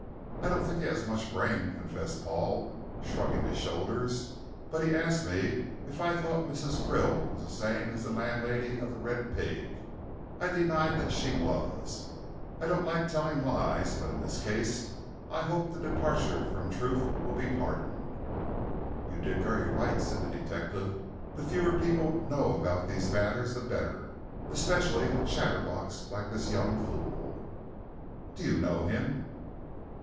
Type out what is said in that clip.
"I don't think he has much brain," confessed Paul, shrugging his shoulders; "but he asked me if I thought Mrs. Krill was the same as the landlady of 'The Red Pig,' and I denied that she was. I don't like telling lies, but in this case I hope the departure from truth will be pardoned." "You did very right," said the detective. "The fewer people know about these matters the better especially a chatterbox like this young fool." "Do you know him?"